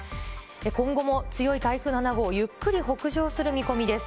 今後も強い台風７号、ゆっくり北上する見込みです。